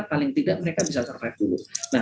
paling tidak mereka bisa survive dulu nah